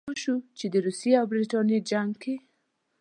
موږ باید پوه شو چې د روسیې او برټانیې جنګ کې.